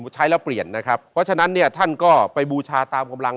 ใช้แล้วเปลี่ยนนะครับเพราะฉะนั้นเนี่ยท่านก็ไปบูชาตามกำลัง